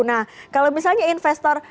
nah kalau misalnya investor